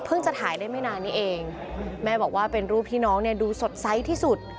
จะถ่ายได้ไม่นานนี้เองแม่บอกว่าเป็นรูปที่น้องเนี่ยดูสดใสที่สุด